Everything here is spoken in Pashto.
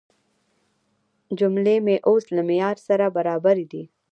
جملې مې اوس له معیار سره برابرې دي.